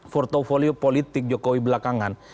portofolio politik jokowi belakangan